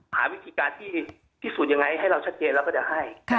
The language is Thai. หาวิธีการที่สุดอย่างไรให้เราชัดเกตเราก็จะให้